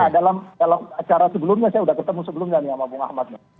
nah dalam acara sebelumnya saya sudah ketemu sebelumnya nih sama bung ahmad